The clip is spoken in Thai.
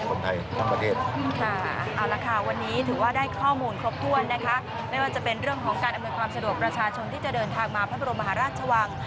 ข้อมูลครบถ้วนนะคะไม่ว่าจะเป็นเรื่องของการอำนวยความสะดวกประชาชนที่จะเดินทางมาพระบรมหาราชวัง